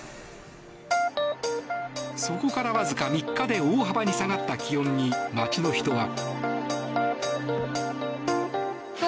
そこからわずか３日で大幅に下がった気温に街の人は。